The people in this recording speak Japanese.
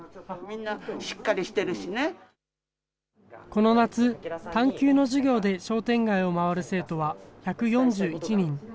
この夏、探究の授業で商店街を回る生徒は１４１人。